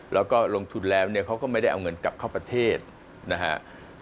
แล้วก็ลงทุนแล้วเนี่ยเขาก็ไม่ได้เอาเงินกลับเข้าประเทศนะฮะ